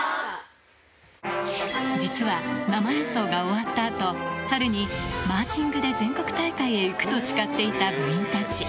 実は、生演奏が終わったあと、波瑠に、マーチングで全国大会へ行くと誓っていた部員たち。